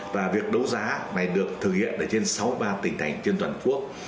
và việc đấu giá này được thực hiện ở trên sáu mươi ba tỉnh thành trên toàn quốc